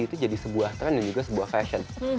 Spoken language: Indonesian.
itu jadi sebuah tren dan juga sebuah fashion